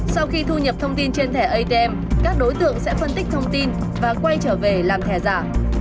sau khi thu nhập thông tin trên thẻ atm các đối tượng sẽ phân tích thông tin và quay trở về làm thẻ giả